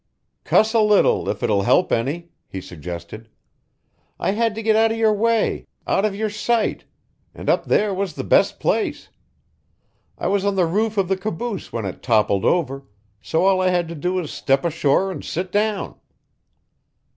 "Cuss a little, if it will help any," he suggested. "I had to get out of your way out of your sight and up there was the best place. I was on the roof of the caboose when it toppled over, so all I had to do was step ashore and sit down."